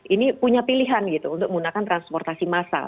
ini punya pilihan gitu untuk menggunakan transportasi massal